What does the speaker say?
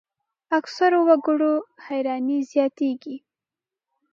اکثرو وګړو حیراني زیاتېږي.